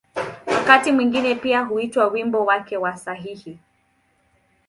Wakati mwingine pia huitwa ‘’wimbo wake wa sahihi’’.